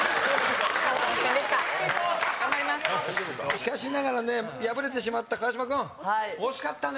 しかしながらね敗れてしまった川島君惜しかったね。